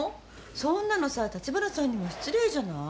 そんなのさ立花さんにも失礼じゃない？